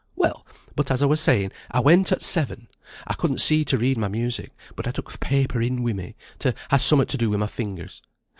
Well, but as I was saying, I went at seven. I couldn't see to read my music, but I took th' paper in wi' me, to ha' somewhat to do wi' my fingers.